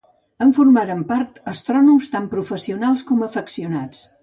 En formaren part astrònoms tant professionals com afeccionats.